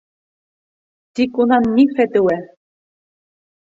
Тик унан ни фәтүә.